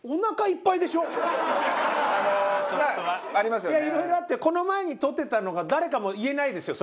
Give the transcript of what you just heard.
いろいろあってこの前に撮ってたのが誰かも言えないですよ